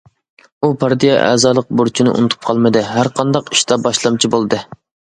ئۇ پارتىيە ئەزالىق بۇرچىنى ئۇنتۇپ قالمىدى، ھەرقانداق ئىشتا باشلامچى بولدى.